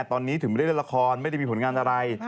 ตอนนี้ถึงไม่ได้เล่นละครไม่ได้มีผลงานอะไร